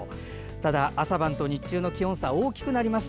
ただ朝晩と日中との気温差が大きくなります。